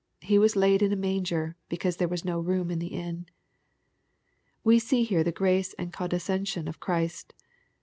He was " laid in a manger, because there was no room in the inn/' We see here the grace and condescension of Christ.